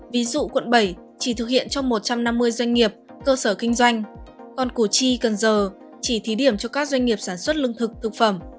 ví dụ quận bảy chỉ thực hiện trong một trăm năm mươi doanh nghiệp cơ sở kinh doanh còn củ chi cần giờ chỉ thí điểm cho các doanh nghiệp sản xuất lương thực thực phẩm